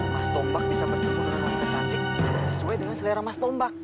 mas tombak bisa bertemu dengan orang yang tercantik sesuai dengan selera mas tombak